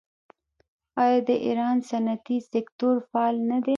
آیا د ایران صنعتي سکتور فعال نه دی؟